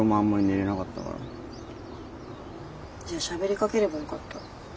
じゃあしゃべりかければよかった。